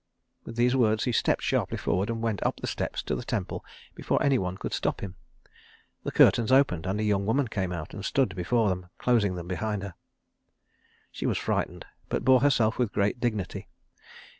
With these words he stepped sharply forward and went up the steps to the temple before any one could stop him. The curtains opened and a young woman came out and stood before them, closing them behind her. She was frightened, but bore herself with great dignity.